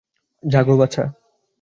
জাগো, বাছা।